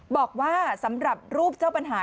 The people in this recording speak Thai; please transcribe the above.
บอกว่าสำหรับรูปเจ้าปัญหา